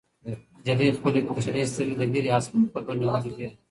نجلۍ خپلې کوچنۍ سترګې د لیرې اسمان په لور نیولې وې.